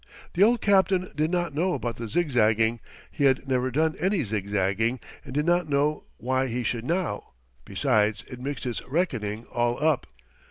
The old captain did not know about the zigzagging; he had never done any zigzagging and did not know why he should now besides, it mixed his reckoning all up.